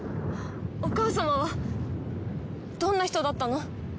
お母様はどんな人だったの？